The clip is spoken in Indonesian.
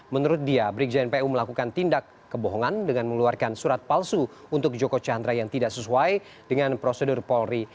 menurut dia brigjen pu melakukan tindak kebohongan dengan mengeluarkan surat palsu untuk joko chandra yang tidak sesuai dengan prosedur polri